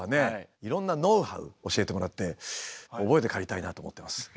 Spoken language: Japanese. いろんなノウハウ教えてもらって覚えて帰りたいなと思ってます。